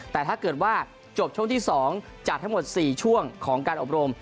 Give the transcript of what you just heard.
แต่ถ้าเกิดว่าจบช่วงที่๒จัดทั้งหมด๔ช่วงของการอบรม